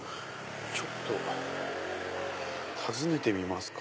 ちょっと訪ねてみますか。